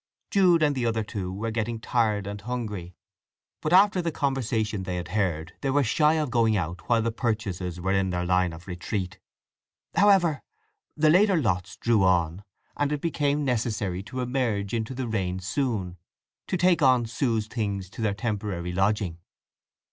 Jude and the other two were getting tired and hungry, but after the conversation they had heard they were shy of going out while the purchasers were in their line of retreat. However, the later lots drew on, and it became necessary to emerge into the rain soon, to take on Sue's things to their temporary lodging.